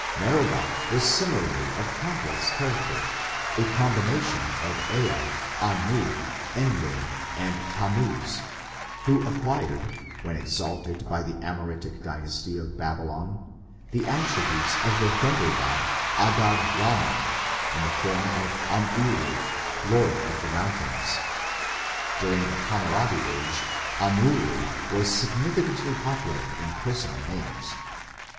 Merodach was similarly of complex character a combination of Ea, Anu, Enlil, and Tammuz, who acquired, when exalted by the Amoritic Dynasty of Babylon, the attributes of the thunder god Adad Ramman in the form of Amurru, "lord of the mountains". During the Hammurabi Age Amurru was significantly popular in personal names.